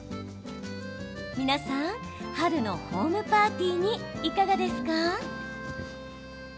皆さん、春のホームパーティーにいかがですか？